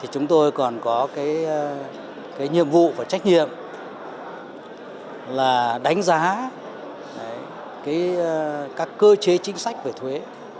chúng tôi còn có nhiệm vụ và trách nhiệm là đánh giá các cơ chế chính sách về thuế